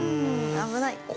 危ない。